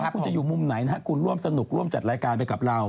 คุณจะอยู่มุมไหนนะครับคุณร่วมสนุกร่วมจัดรายการไปกับเรา